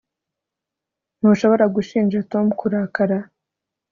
ntushobora gushinja tom kurakara